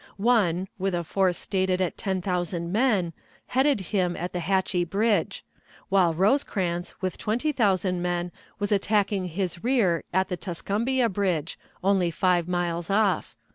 One, with a force stated at ten thousand men, headed him at the Hatchie Bridge; while Rosecrans, with twenty thousand men, was attacking his rear at the Tuscumbia Bridge, only five miles off.